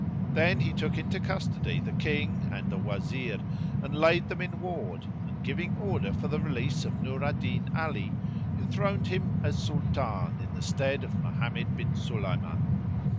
Then he took into custody the King and the Wazir and laid them in ward and, giving order for the release of Nur al Din Ali, enthroned him as Sultan in the stead of Mohammed bin Sulayman.